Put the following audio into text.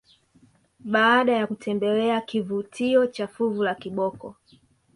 Baada ya kutembelea kivutio cha fuvu la kiboko